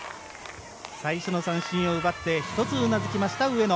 最初の三振を奪って１つ、うなずきました上野。